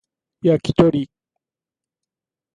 焼き鳥